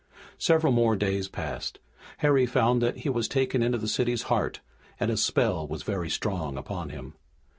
Several more days passed. Harry found that he was taken into the city's heart, and its spell was very strong upon him.